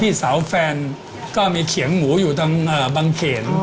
พี่สาวแฟนก็มีเขียงหมูอยู่ทางบังเขน